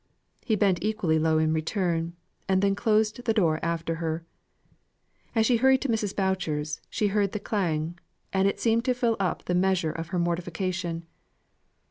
He bent equally low in return, and then closed the door after her. As she hurried to Mrs. Boucher's, she heard the clang, and it seemed to fill up the measure of her mortification.